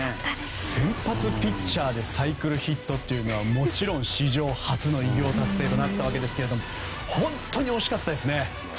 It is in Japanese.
先発ピッチャーでサイクルヒットというのはもちろん史上初の偉業達成となったわけですが本当に惜しかったですね。